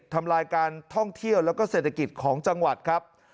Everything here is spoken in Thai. ทำลายการท่องเที่ยวแล้วก็เศรษฐกิจของจังหวัดครับ